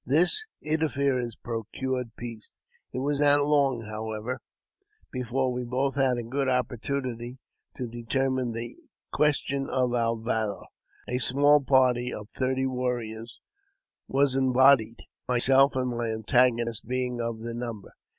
This interference procured peace. It was not long, however, before we both had a good opportunity to determine the question of our valour. A small party of thirty warriors was embodied, myself and my antagonist being of the number.